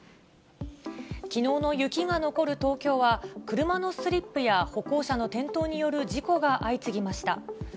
きのうの雪が残る東京は、車のスリップや歩行者の転倒による事故が相次ぎました。